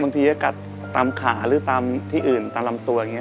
บางทีอากาศตามขาหรือตามที่อื่นตามลำสัวอย่างนี้